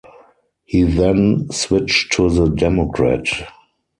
He then switch to the Democrat.